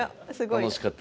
楽しかったです。